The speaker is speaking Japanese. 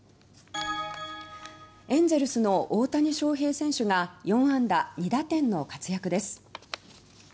エンゼルスの大谷翔平選手が４安打２打点の活躍です。